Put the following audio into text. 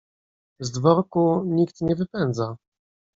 "Z dworku nikt nie wypędza."